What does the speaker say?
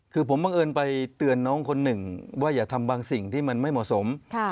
คือผมบังเอิญไปเตือนน้องคนหนึ่งว่าอย่าทำบางสิ่งที่มันไม่เหมาะสม